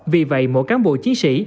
vì vậy mỗi cán bộ chiến sĩ